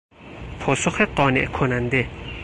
پاسخ قانع کننده